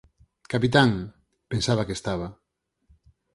Capitán. Pensaba que estaba